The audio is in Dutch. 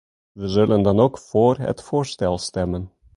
We zullen dan ook vóór het voorstel stemmen.